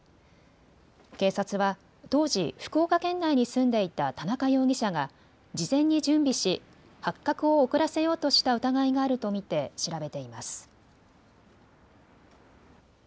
警察は当時、福岡県内に住んでいた田中容疑者が事前に準備し発覚を遅らせようとした疑いがあると見て調べています。